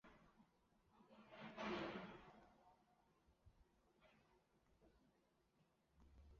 省府委员南志信曾率领地方人士极力争取卑南上圳。